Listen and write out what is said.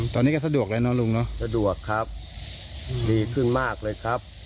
ตอนนี้ก็สะดวกแล้วนะลุงเนอะสะดวกครับดีขึ้นมากเลยครับ